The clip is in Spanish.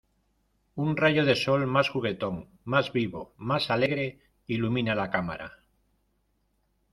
un rayo de sol más juguetón, más vivo , más alegre , ilumina la cámara